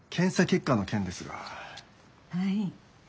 はい。